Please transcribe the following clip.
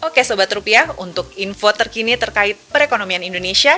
oke sobat rupiah untuk info terkini terkait perekonomian indonesia